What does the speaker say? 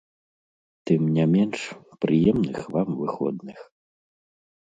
Тым не менш, прыемных вам выходных!